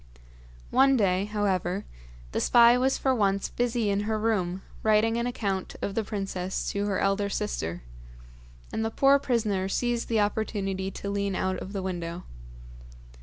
One day, however, the spy was for once busy in her room writing an account of the princess to her elder sister, and the poor prisoner seized the opportunity to lean out of the window.